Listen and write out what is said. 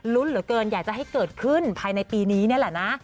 เหลือเกินอยากจะให้เกิดขึ้นภายในปีนี้นี่แหละนะ